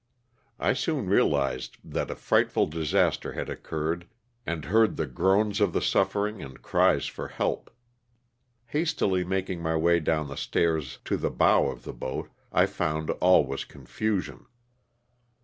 I soon realized that a frightful disaster had occurred and heard the groans of the suffering and cries for help. Hastily making my way down the stairs to the bow of the boat, I found all was confusion.